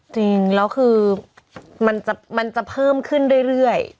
จริงแล้วคือมันจะเพิ่มขึ้นเรื่อย